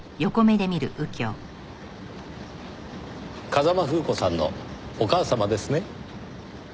風間楓子さんのお母様ですね？